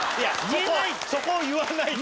そこを言わないと。